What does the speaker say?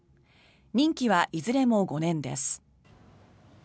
任期はいずれも５年です。